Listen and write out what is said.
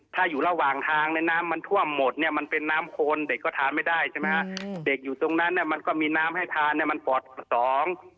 ถ้าอยู่ระหว่างทางในน้ำมันท่วมหมดเนี่ยมันเป็นน้ำโคนเด็กก็ทานไม่ได้ใช่ไหมฮะอืมเด็กอยู่ตรงนั้นน่ะมันก็มีน้ำให้ทานเนี่ยมันปอดสอง